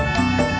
ya pat teman gue